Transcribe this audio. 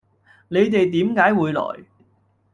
你哋點解會來